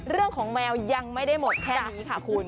เรื่องของแมวยังไม่ได้หมดแค่นี้ค่ะคุณ